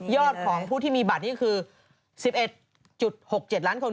ของผู้ที่มีบัตรนี่คือ๑๑๖๗ล้านคน